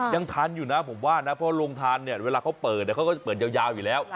ยังทันอยู่นะผมว่านะเพราะโรงทานเนี่ยเวลาเขาเปิดเขาก็จะเปิดยาวอยู่แล้ว